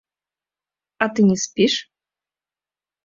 А ты не спіш?